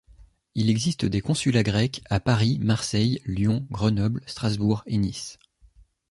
Il existe des consulats grecs à Paris, Marseille, Lyon, Grenoble, Strasbourg et Nice.